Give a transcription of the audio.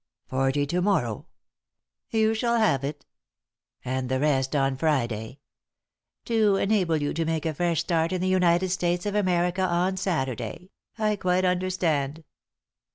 " Forty to morrow ?"" You shall have it" "And the rest on Friday ?"" To enable you to make a fresh start in the United States of America on Saturday — I quite understand."